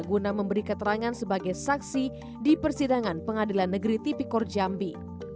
guna memberi keterangan sebagai saksi di persidangan pengadilan negeri tipikor jambi